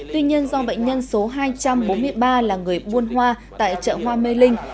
tuy nhiên do bệnh nhân số hai trăm bốn mươi ba là người buôn hoa tại chợ hoa mê linh